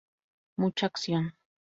Mucha acción.